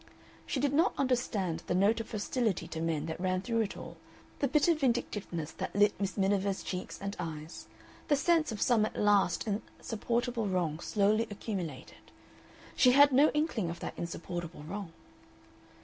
She did not understand the note of hostility to men that ran through it all, the bitter vindictiveness that lit Miss Miniver's cheeks and eyes, the sense of some at last insupportable wrong slowly accumulated. She had no inkling of that insupportable wrong.